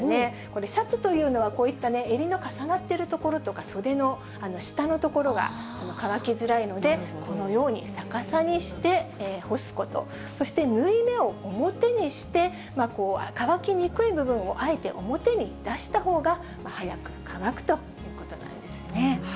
これ、シャツというのは、こういった襟の重なってるところとか、袖の下の所が乾きづらいので、このように逆さにして干すこと、そして縫い目を表にして、乾きにくい部分をあえて表に出したほうが早く乾くということなんですね。